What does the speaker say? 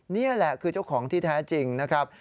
นี่แหละคือเจ้าของที่แท้จริงนะครับ